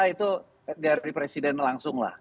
itu dari presiden langsung lah